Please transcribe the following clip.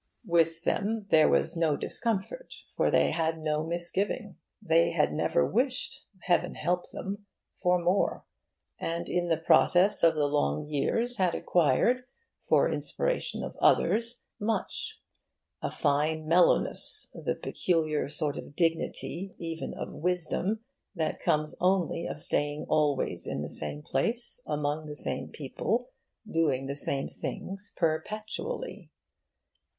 With them there was no discomfort, for they had no misgiving. They had never wished (heaven help them!) for more, and in the process of the long years had acquired, for inspiration of others, much a fine mellowness, the peculiar sort of dignity, even of wisdom, that comes only of staying always in the same place, among the same people, doing the same things perpetually.